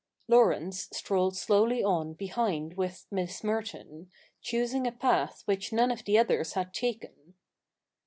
Laurence strolled slowly on behind with Miss Merton, choosing a path which none of the others had taken.